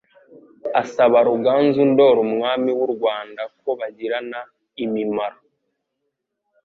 asaba Ruganzu Ndoli umwami w'u Rwanda ko bagirana imimaro,